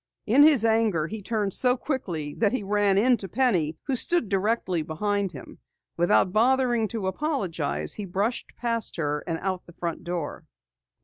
In his anger he turned so quickly that he ran into Penny who stood directly behind him. Without bothering to apologize, he brushed past her, out the front door.